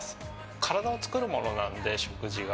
体を作るものなので、食事が。